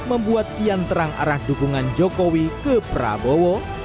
membuat kian terang arah dukungan jokowi ke prabowo